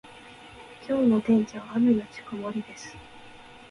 今日の天気は雨のち曇りです。